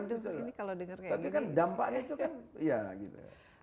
tapi kan dampaknya itu kan